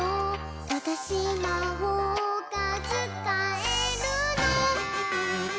「わたしまほうがつかえるの！」